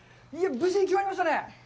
無事に決まりましたね。